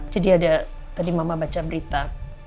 jadi ada tadi mama baca berita